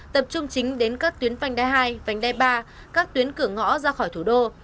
tập trung chính đến các tuyến vành đai hai vành đai ba các tuyến cửa ngõ ra khỏi thủ đô